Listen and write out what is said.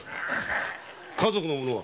家族の者は？